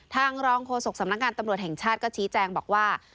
ทางรองโฆษกสำนักงานตำรวจแห่งชาติก็ชี้แจงบอกว่า